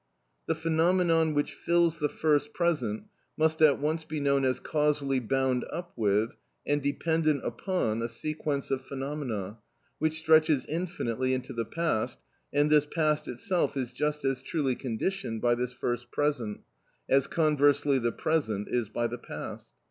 The phenomenon which fills the first present must at once be known as causally bound up with and dependent upon a sequence of phenomena which stretches infinitely into the past, and this past itself is just as truly conditioned by this first present, as conversely the present is by the past.